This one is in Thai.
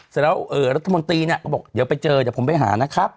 เสร็จแล้วรัฐมนตรีเนี่ยก็บอกเดี๋ยวไปเจอเดี๋ยวผมไปหานะครับ